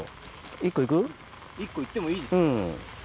１個行ってもいいですか。